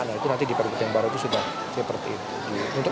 nah itu nanti di pergub yang baru itu sudah seperti itu